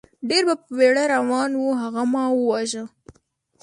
ډېر په بېړه روان و، هغه ما و واژه.